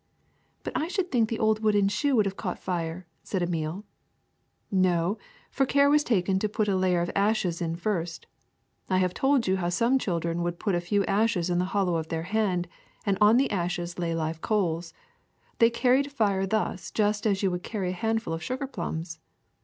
'' ^^But I should think the old wooden shoe would have caught fire," said Emile. ^^No, for care was taken to put a layer of ashes in first. I have told you how some children would put a few ashes in the hollow of their hand, and on the ashes lay live coals. They carried fire thus just as you would carry a handful of sugar plums.